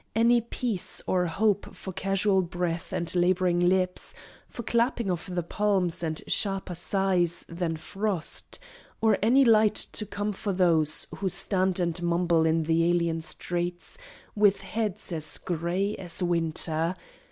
any peace, Or hope for casual breath and labouring lips, For clapping of the palms, and sharper sighs Than frost; or any light to come for those Who stand and mumble in the alien streets With heads as grey as Winter?